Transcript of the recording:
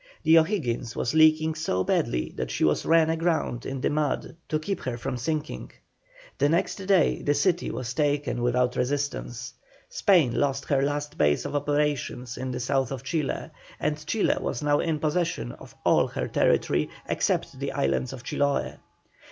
The O'Higgins was leaking so badly that she was run aground in the mud to keep her from sinking. The next day the city was taken without resistance. Spain lost her last base of operations in the south of Chile, and Chile was now in possession of all her own territory except the islands of Chiloe.